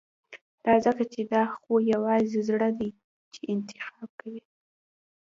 دا ځکه چې دا خو يوازې زړه دی چې انتخاب کوي.